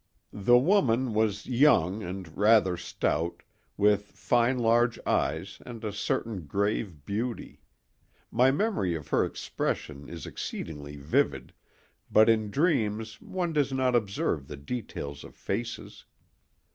The woman was young and rather stout, with fine large eyes and a certain grave beauty; my memory of her expression is exceedingly vivid, but in dreams one does not observe the details of faces.